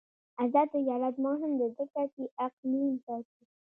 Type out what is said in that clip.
آزاد تجارت مهم دی ځکه چې اقلیم ساتي.